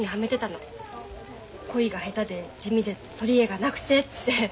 恋が下手で地味で取り柄がなくてって。